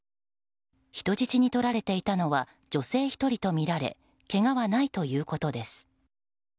人質に取られていたのは女性１人とみられけがはないということです。